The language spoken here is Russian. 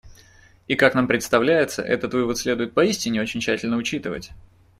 И как нам представляется, этот вывод следует поистине очень тщательно учитывать.